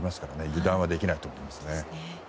油断はできないと思います。